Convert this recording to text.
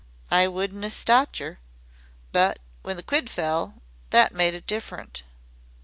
I wouldn't 'a' stopped yer but w'en the quid fell, that made it different."